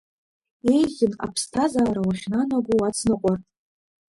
Еиӷьын аԥсҭазаара уахьнанаго уацныҟәар.